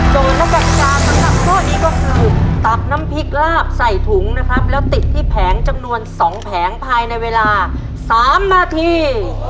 และกฎิกาสำหรับข้อนี้ก็คือตักน้ำพริกลาบใส่ถุงนะครับแล้วติดที่แผงจำนวน๒แผงภายในเวลา๓นาที